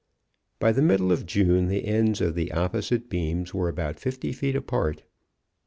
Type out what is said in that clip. "By the middle of June the ends of the opposite beams were about fifty feet apart.